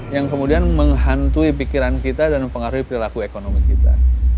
yang kemudian menghantui pikiran kita dan pengaruhi perilaku ekonomi kita